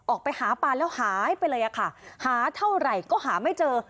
ออกไปหาปลาแล้วหายไปเลยค่ะหาเท่าไหร่ก็หาไม่เจอ